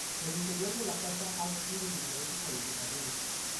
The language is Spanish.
El interior de la casa ha sufrido diferentes modificaciones.